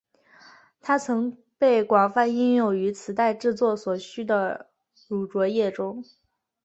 它曾被广泛应用于磁带制作所需的乳浊液中。